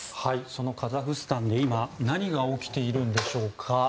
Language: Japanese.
そのカザフスタンで今何が起きているんでしょうか。